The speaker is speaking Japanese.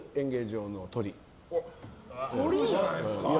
あるじゃないですか！